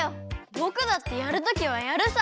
ぼくだってやるときはやるさ！